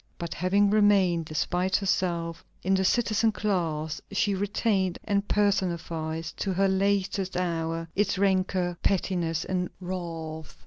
But having remained, despite herself, in the citizen class, she retained and personified, to her latest hour, its rancor, pettiness, and wrath.